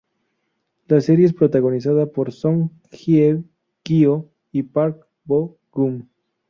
La serie es protagonizada por Song Hye-kyo y Park Bo-gum.